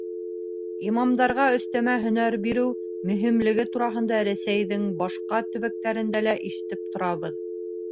— Имамдарға өҫтәмә һөнәр биреү мөһимлеге тураһында Рәсәйҙең башҡа төбәктәрендә лә ишетеп торабыҙ.